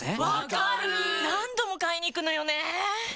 わかる何度も買いに行くのよね